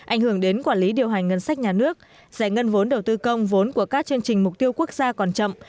ảnh hưởng đến quản lý điều hành ngân sách nhà nước giải ngân vốn đầu tư công vốn của các chương trình mục tiêu quốc gia còn chậm